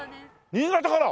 新潟から！？